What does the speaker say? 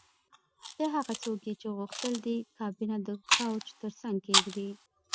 ته هغه څوک یې چې غوښتل دې کابینه د کوچ ترڅنګ کیږدې